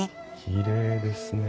きれいですね。